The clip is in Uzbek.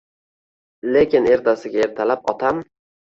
Lekin ertasiga ertalab otam